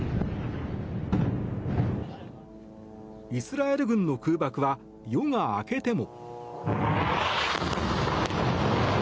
イスラエル軍の空爆は夜が明けても。